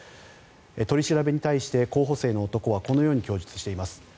取り調べに対して候補生の男はこのように供述しています。